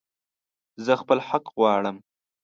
زه خپل حق غواړم